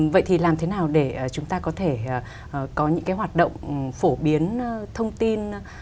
vậy thì làm thế nào để chúng ta có thể có những cái hoạt động phổ biến thông tin